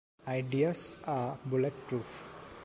Ideas are bullet proof.